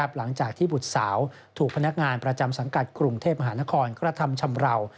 หลังจากที่บุตรสาวถูกพนักงานประจำสังกัดกรุงเทพมหานครกระทำชำราว